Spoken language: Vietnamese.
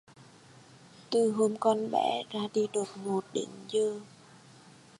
từ hôm con bé ra đi đột ngột đến giờ